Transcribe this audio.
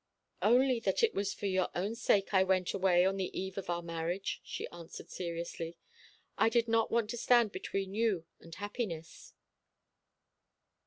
"Only that it was for your own sake I went away on the eve of our marriage," she answered seriously. "I did not want to stand between you and happiness."